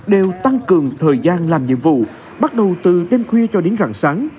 đều tăng cường thời gian làm nhiệm vụ bắt đầu từ đêm khuya cho đến rạng sáng